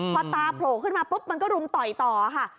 พอตาโผล่ขึ้นมาปุ๊บมันก็รุมต่อยต่อค่ะ